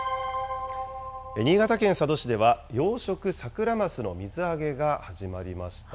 新潟県佐渡市では、養殖サクラマスの水揚げが始まりました。